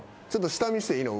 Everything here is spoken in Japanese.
下見していいの？